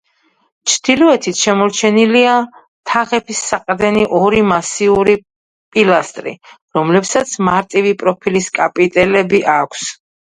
ჩრდილოეთით შემორჩენილია თაღების საყრდენი ორი მასიური პილასტრი, რომლებსაც მარტივი პროფილის კაპიტელები აქვს.